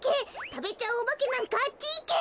たべちゃうおばけなんかあっちいけ！